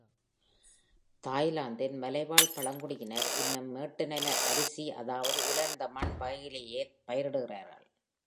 தாய்லாந்தின் மலைவாழ் பழங்குடியினர் இன்னும் மேட்டுநில அரிசி அதாவது உலர்ந்த மண் வகைகளையிலேயே பயிரிடுகிறார்கள்.